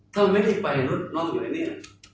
ทำไมไปน่ะะรถน้องอยู่ในนี่